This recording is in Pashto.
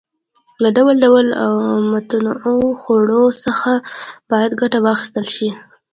له ډول ډول او متنوعو خوړو څخه باید ګټه واخیستل شي.